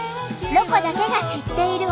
「ロコだけが知っている」。